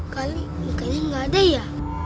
kalian ini kayaknya nggak ada ya